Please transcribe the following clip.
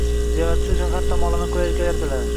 Ziyoratchilar uchun har tomonlama qulaylik yaratiladi.